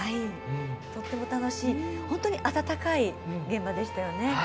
とっても楽しい、ホントに温かい現場でしたよね。